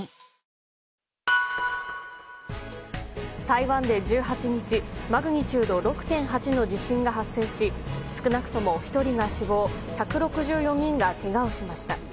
台湾で１８日マグニチュード６．８の地震が発生し少なくとも１人が死亡１６４人がけがをしました。